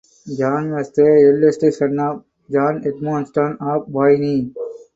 John was the eldest son of John Edmonstone of Boyne.